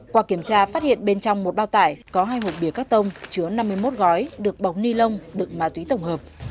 qua kiểm tra phát hiện bên trong một bao tải có hai hộp bìa cắt tông chứa năm mươi một gói được bọc ni lông đựng ma túy tổng hợp